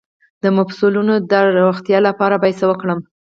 د مفصلونو د روغتیا لپاره باید څه وکړم؟